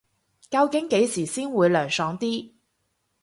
究竟幾時先會涼爽啲